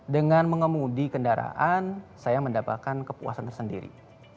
dengan mengemudi kendaraan saya mendapatkan kepuasan tersendiri